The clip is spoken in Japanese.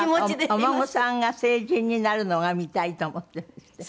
お孫さんが成人になるのが見たいと思っているんですって？